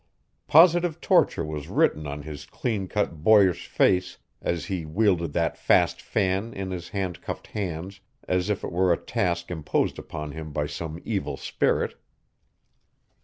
Positive torture was written on his clean cut boyish face as he wielded that fast fan in his handcuffed hands as if it were a task imposed upon him by some evil spirit.